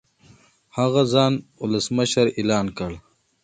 هغه ځان ولسمشر اعلان کړ.